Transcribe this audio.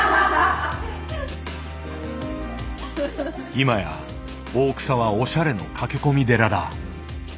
今や大草はおしゃれの駆け込み寺だ。